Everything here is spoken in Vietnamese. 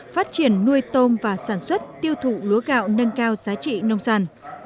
phát triển nuôi tôm và sản xuất tiêu thụ lúa gạo nâng cao giá trị nông sản